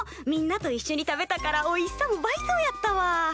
みんなといっしょに食べたからおいしさも倍増やったわ。